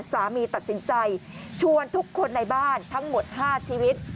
สามีตัดสินใจชวนทุกคนในบ้านทั้งหมด๕ชีวิต